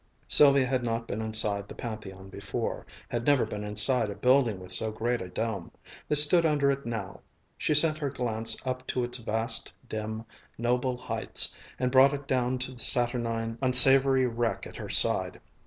Sylvia had not been inside the Pantheon before, had never been inside a building with so great a dome. They stood under it now. She sent her glance up to its vast, dim, noble heights and brought it down to the saturnine, unsavory wreck at her side.